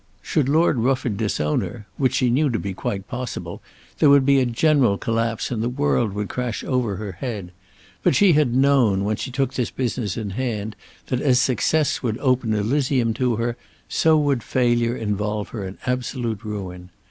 Should Lord Rufford disown her, which she knew to be quite possible, there would be a general collapse and the world would crash over her head. But she had known, when she took this business in hand, that as success would open Elysium to her, so would failure involve her in absolute ruin.